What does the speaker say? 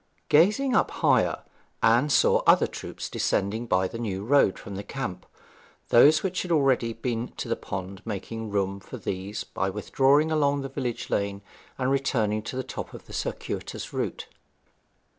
Gazing up higher, Anne saw other troops descending by the new road from the camp, those which had already been to the pond making room for these by withdrawing along the village lane and returning to the top by a circuitous route.